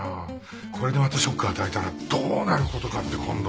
これでまたショック与えたらどうなることかって今度。